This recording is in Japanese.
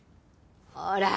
ほら！